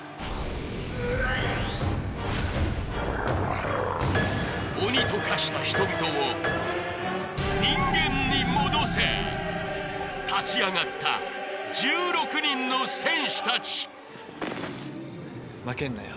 ううっ鬼と化した人々を人間に戻せ立ち上がった１６人の戦士達負けんなよ